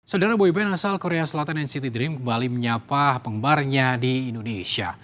saudara boyband asal korea selatan nct dream kembali menyapa pengembarnya di indonesia